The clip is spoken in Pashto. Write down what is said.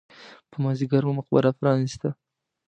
په مازیګر مو مقبره پرانېسته.